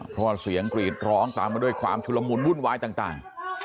เพราะว่าเสียงกรีดร้องตามมาด้วยความชุลมุนวุ่นวายต่าง